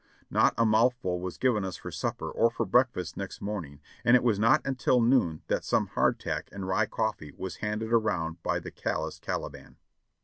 Not a mouthful was given us for supper or for breakfast next morning, and it was not until noon that some hardtack and rye coffee was handed around by the callous Caliban.